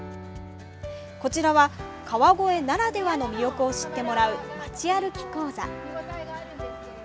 こちらは、川越ならではの魅力を知ってもらうまち歩き講座。